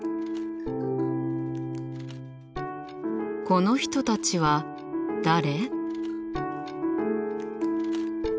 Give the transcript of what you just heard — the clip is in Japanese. この人たちは誰？